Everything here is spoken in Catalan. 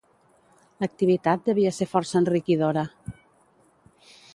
L'activitat devia ser força enriquidora.